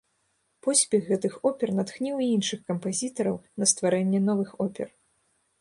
Поспех гэтых опер натхніў і іншых кампазітараў на стварэнне новых опер.